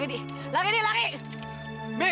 lari lari nih lari nih lari